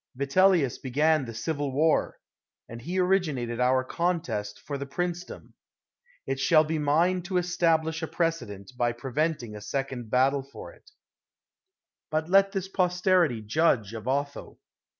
Vitellius began the Civil War; and he origi nated our contest for the princedom. It shall be mine to establish a precedent, by preventing a second battle for it. By this let posterity judge of Otho.